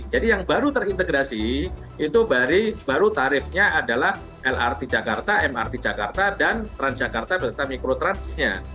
jadi yang baru terintegrasi baru tarifnya adalah lrt jakarta mrt jakarta dan transjakarta berarti mikrotransnya